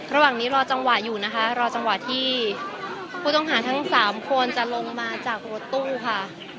ระหว่างนี้รอจังหวะอยู่นะคะรอจังหวะที่ผู้ต้องหาทั้งสามคนจะลงมาจากรถตู้ค่ะ